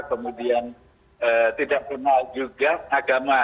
kemudian tidak kenal juga agama